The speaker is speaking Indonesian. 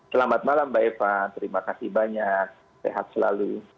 selamat malam mbak eva terima kasih banyak sehat selalu